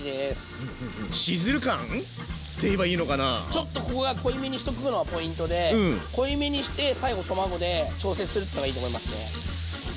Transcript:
ちょっとここが濃いめにしとくのがポイントで濃いめにして最後卵で調節するっていうのがいいと思いますね。